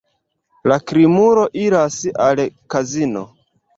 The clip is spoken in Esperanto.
La krimulo iras al kazino.